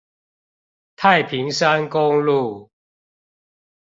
太平山公路